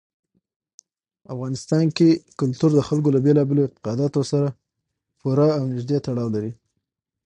افغانستان کې کلتور د خلکو له بېلابېلو اعتقاداتو سره پوره او نږدې تړاو لري.